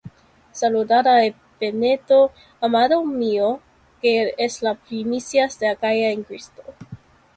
Saludad á Epeneto, amado mío, que es las primicias de Acaya en Cristo.